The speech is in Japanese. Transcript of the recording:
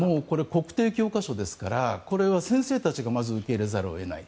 国定教科書ですから先生たちがまず受け入れざるを得ない。